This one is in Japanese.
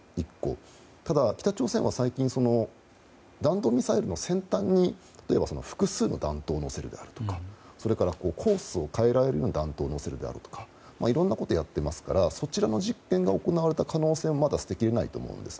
そして北朝鮮は弾道ミサイルの先端に、例えば複数の弾頭を乗せるであるとかそれからコースを変えられる弾頭を載せるであるとかいろんなことをやっていますからそちらの実験が行われた可能性も捨てきれないと思います。